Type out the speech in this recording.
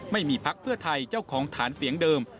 พักเพื่อไทยเจ้าของฐานเสียงเดิม